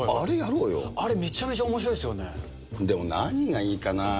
あれ、めちゃめちゃおもしろでも、何がいいかなー。